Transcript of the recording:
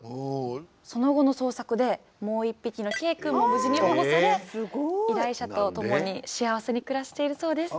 その後の捜索でもう一匹のケイくんも無事に保護され依頼者と共に幸せに暮らしているそうです。